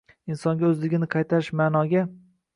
insonga o‘zligini qaytarish ma’noga